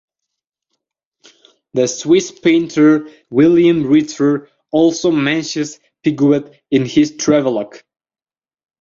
The Swiss painter William Ritter also mentions Piguet in his travelogue.